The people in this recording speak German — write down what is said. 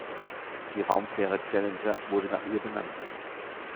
Die Raumfähre "Challenger" wurde nach ihr benannt.